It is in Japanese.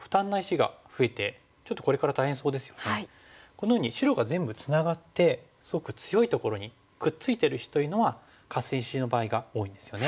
このように白が全部ツナがってすごく強いところにくっついてる石というのはカス石の場合が多いんですよね。